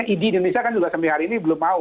id indonesia kan juga sampai hari ini belum mau